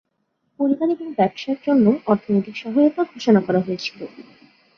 পরিবার এবং ব্যবসার জন্যও অর্থনৈতিক সহায়তা ঘোষণা করা হয়েছিল।